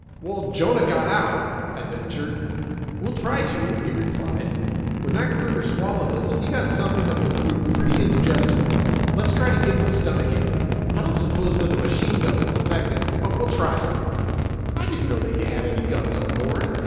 "Well, Jonah got out," I ventured. "We'll try to," he replied. "When that critter swallowed us, he got something that will prove pretty indigestible. Let's try to give him a stomach ache. I don't suppose that a machine gun will affect him, but we'll try it." "I didn't know that you had any guns on board."